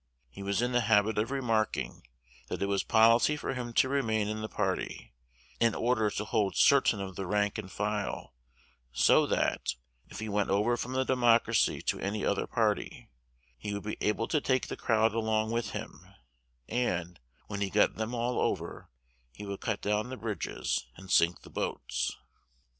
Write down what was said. He was in the habit of remarking, that it was policy for him to remain in the party, in order to hold certain of the rank and file; so that, if he went over from the Democracy to any other party, he would be able to take the crowd along with him; and, when he got them all over, he would cut down the bridges, and sink the boats."